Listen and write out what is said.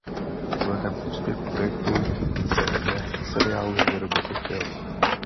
Vzhledem k úspěchu projektu se ze seriálu vyrobil i film.